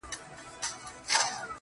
o سیاه پوسي ده، دا دی لا خاندي.